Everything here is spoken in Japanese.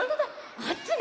あっちね！